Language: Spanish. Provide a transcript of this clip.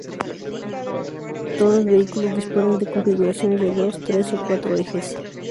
Todos los vehículos disponen de configuraciones de dos, tres o cuatro ejes.